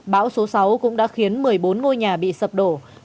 bão số sáu cũng đã khiến một mươi bốn ngôi nhà bị sập đổ